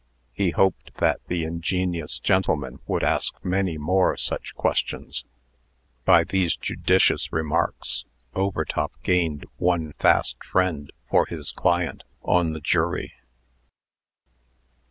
He hoped that the ingenious gentleman would ask many more such questions. By these judicious remarks, Overtop gained one fast friend for his client on the jury.